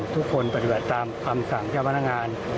ปฏิบัติตามคำสั่งเจ้าพนักงาน